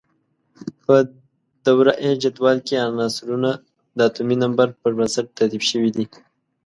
په دوره یي جدول کې عنصرونه د اتومي نمبر پر بنسټ ترتیب شوي دي.